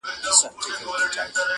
چي د مغولو له بیرغ څخه کفن جوړوي-